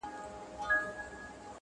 او درد د حقيقت برخه ده-